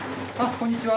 こんにちは。